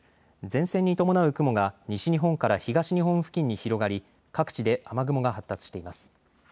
前線に伴う雲が西日本から東日本付近に広がり各地で雨雲が発達しています。